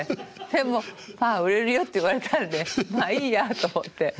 でも売れるよって言われたんでまあいいやと思って。